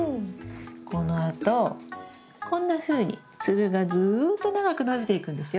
このあとこんなふうにつるがずっと長く伸びていくんですよ。